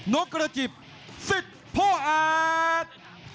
นกระจิบสิทธิ์พ่อแอด